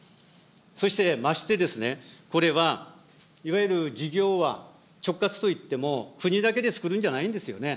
そして、まして、これはいわゆる事業は直轄といっても、国だけで造るんじゃないんですよね。